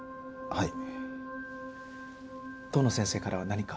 はい。